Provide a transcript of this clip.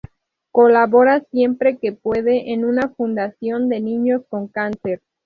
Colabora siempre que puede en una fundación de niños con cáncer.